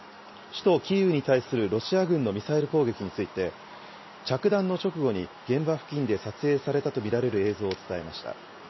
首都キーウに対するロシア軍のミサイル攻撃について、着弾の直後に現場付近で撮影されたと見られる映像を伝えました。